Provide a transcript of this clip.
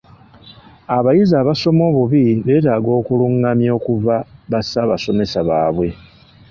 Abayizi abasoma obubi beetaaga okulungamya okuva bassaabasomesa baabwe.